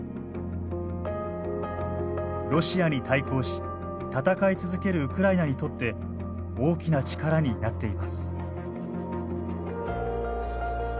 ロシアに対抗し戦い続けるウクライナにとって大きな力になっています。